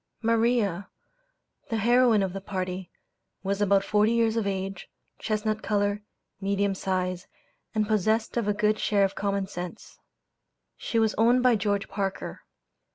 Maria, the heroine of the party, was about forty years of age, chestnut color, medium size, and possessed of a good share of common sense. She was owned by George Parker.